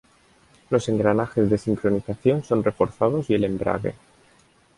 Los engranajes de sincronización son reforzados y el embrague.